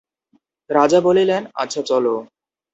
রাজা বলিলেন, আচ্ছা চলো।